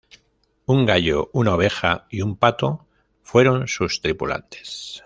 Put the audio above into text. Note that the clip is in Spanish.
Un gallo, una oveja y un pato fueron sus tripulantes.